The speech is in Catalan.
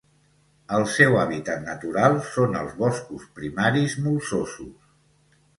El seu hàbitat natural són els boscos primaris molsosos.